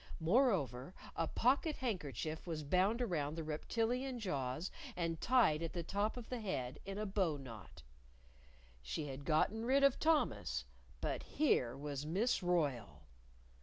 Moreover, a pocket handkerchief was bound round the reptilian jaws and tied at the top of the head in a bow knot. She had gotten rid of Thomas. But here was Miss Royle!